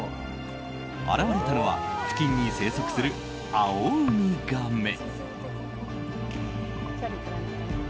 現れたのは付近に生息するアオウミガメ。